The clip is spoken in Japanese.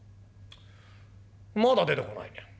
まだ出てこないね。